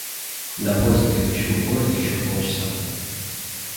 До поезда, идущего в город, еще полчаса.